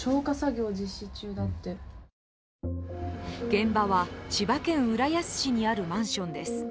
現場は千葉県浦安市にあるマンションです。